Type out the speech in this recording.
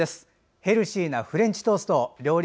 ヘルシーなフレンチトーストを料理